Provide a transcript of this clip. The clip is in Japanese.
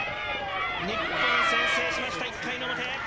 日本先制しました、１回の表。